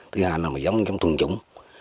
thứ hai là giống thuần trúng